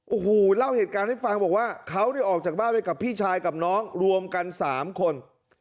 โอ้โหเล่าเหตุการณ์ให้ฟังบอกว่าเขาเนี่ยออกจากบ้านไปกับพี่ชายกับน้องรวมกัน๓คน